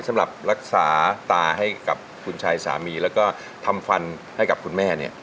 สำหรับรักษาตาให้กับคุณชายสามีแล้วก็ทำฟันให้กับคุณแม่เนี่ย